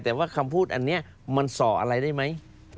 แต่ว่าคำพูดอันนี้มันส่ออะไรได้ไหม